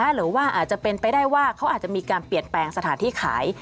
หรือว่าอาจจะเป็นไปได้ว่าเขาอาจจะมีการเปลี่ยนแปลงสถานที่ขาย